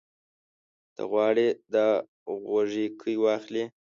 ته غواړې دا غوږيکې واخلې؟